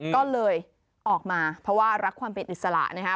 ก็เลยออกมาเพราะว่ารักความเป็นอิสระนะครับ